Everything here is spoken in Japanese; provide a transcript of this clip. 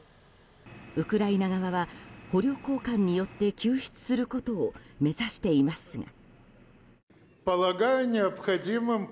ウクライナ側は捕虜交換によって救出することを目指していますが。